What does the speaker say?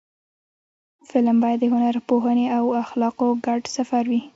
فلم باید د هنر، پوهنې او اخلاقو ګډ سفر وي